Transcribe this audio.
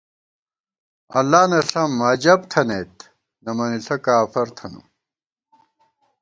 اللہ نہ ݪم عجَب تھنَئیت ، نَمَنِݪہ کافَر تھنہ